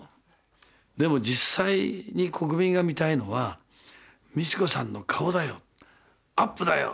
でも実際に国民が見たいのは美智子さんの顔だよアップだよ！